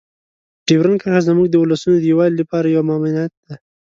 ډیورنډ کرښه زموږ د ولسونو د یووالي لپاره یوه ممانعت ده.